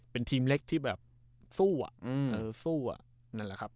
เป็นทีมเล็กที่แบบสู้อะนั่นแหละครับ